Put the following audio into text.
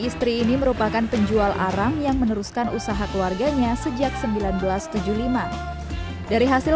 istri ini merupakan penjual arang yang meneruskan usaha keluarganya sejak seribu sembilan ratus tujuh puluh lima dari hasil